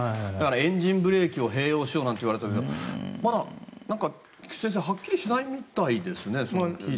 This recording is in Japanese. エンジンブレーキを併用しようなんて言われたけどはっきりしないみたいですね。